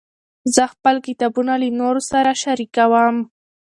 زه خپل کتابونه له نورو سره شریکوم.